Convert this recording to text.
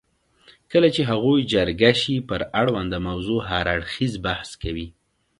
کله چې هغوی جرګه شي پر اړونده موضوع هر اړخیز بحث کوي.